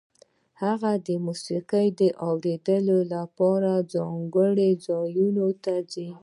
هغه د موسیقۍ اورېدو لپاره ځانګړو ځایونو ته ځي